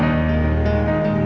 ate bisa menikah